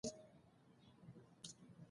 مفعول هغه دئ، چي کار پر اجراء سوی يي.